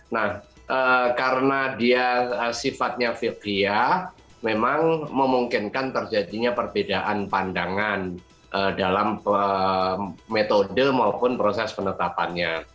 nah karena dia sifatnya fikriah memang memungkinkan terjadinya perbedaan pandangan dalam metode maupun proses penetapannya